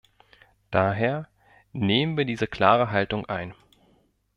Daher nehmen wir diese klare Haltung ein.